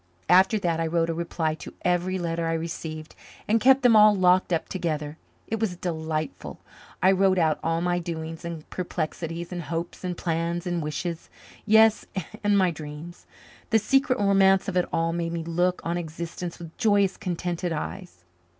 After that I wrote a reply to every letter I received and kept them all locked up together. It was delightful. I wrote out all my doings and perplexities and hopes and plans and wishes yes, and my dreams. The secret romance of it all made me look on existence with joyous, contented eyes.